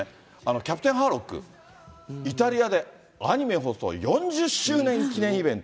キャプテンハーロック、イタリアで、アニメ放送４０周年記念イベント。